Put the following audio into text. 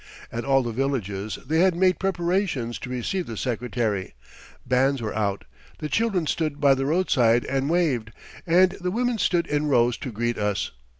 At all the villages they had made preparations to receive the Secretary, bands were out, the children stood by the roadside and waved, and the women stood in rows to greet us.